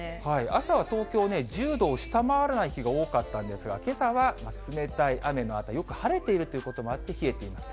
朝は東京ね、１０度を下回らない日が多かったんですが、けさは冷たい雨のあと、よく晴れているということもあって冷えています。